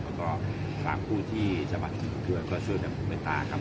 แล้วก็ฝากผู้ที่จะมาถึงบุคเวิร์นก็เชื่อแบบบุคเมตตาครับ